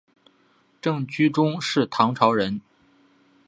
郑居中是唐朝人。